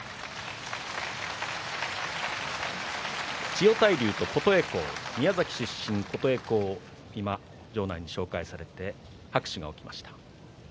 千代大龍と琴恵光宮崎出身の琴恵光が場内に紹介されて拍手が起きました。